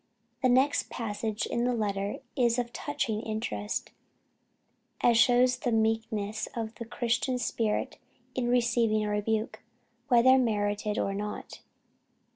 The next passage in the letter is of touching interest, as showing the meekness of the Christian spirit in receiving a rebuke, whether merited or not.